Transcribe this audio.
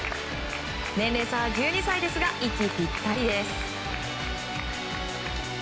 年齢差１２歳ですが息ぴったりです。